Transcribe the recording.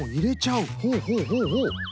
ほうほうほうほう。